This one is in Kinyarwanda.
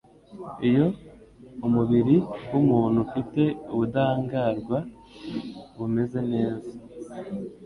Iyo umubiri w'umuntu ufite ubudahngarwa bumeze neza,